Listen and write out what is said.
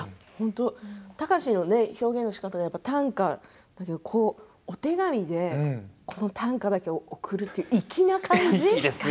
貴司の表現のしかた短歌、お手紙でこの短歌だけを送るという粋な感じ。